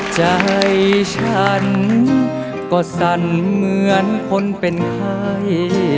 ใจฉันก็สั่นเหมือนคนเป็นไข้